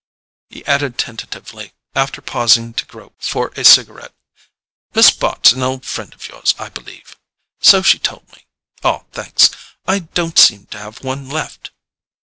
He added tentatively, after pausing to grope for a cigarette: "Miss Bart's an old friend of yours, I believe? So she told me.—Ah, thanks—I don't seem to have one left."